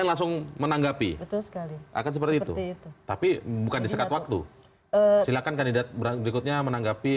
langsung menanggapi akan seperti itu tapi bukan disekat waktu silakan kandidat berikutnya menanggapi